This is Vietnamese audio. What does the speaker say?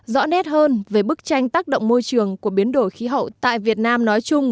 rõ nét hơn về bức tranh tác động môi trường của biến đổi khí hậu tại việt nam nói chung